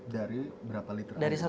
dari berapa liter air